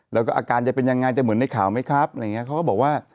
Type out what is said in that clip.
แล้วก็อาการจะเป็นยังไงจะเหมือนในข่าวไหมครับอะไรอย่างนี้เขาก็บอกว่า